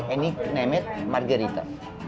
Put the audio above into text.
dan itu disebut margarita